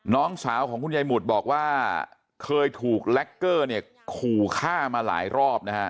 น้องสาวของคุณยายหมุดบอกว่าเคยถูกแล็กเกอร์เนี่ยขู่ฆ่ามาหลายรอบนะฮะ